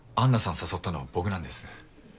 誘ったの僕なんです。